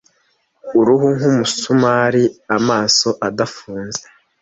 uruhu nk'umusumari amaso adafunze